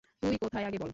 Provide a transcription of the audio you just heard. তুই কোথায় আগে বল?